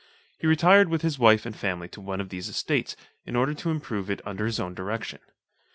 He retired with his wife and family to one of these estates, in order to improve it under his own direction.